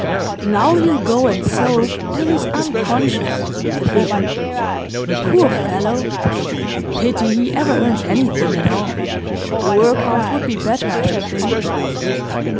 'Now he'll go and soak till he's unconscious,' said Biffen. 'Poor fellow! Pity he ever earns anything at all. The workhouse would be better, I should think.